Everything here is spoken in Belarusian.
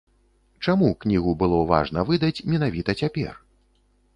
Чаму кнігу было важна выдаць менавіта цяпер?